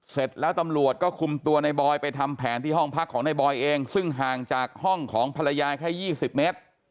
เสร็จแล้วตำรวจก็คุมตัวในบอยไปทำแผนที่ห้องพักของในบอยเองซึ่งห่างจากห้องของภรรยาแค่๒๐เมตร